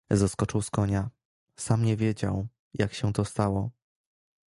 Zeskoczył z konia, sam nie wiedział, jak się to stało.